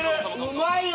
うまいよ！